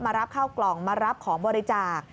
รับเข้ากล่องมารับของบริจาค